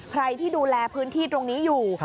ใครที่ดูแลพื้นที่ตรงนี้อยู่